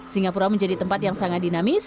singapura menjadi tempat yang sangat dinamis